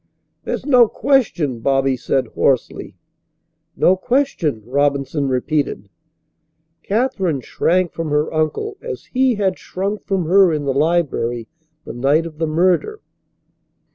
"There's no question," Bobby said hoarsely. "No question," Robinson repeated. Katherine shrank from her uncle as he had shrunk from her in the library the night of the murder.